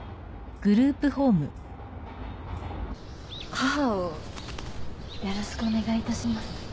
母をよろしくお願いいたします。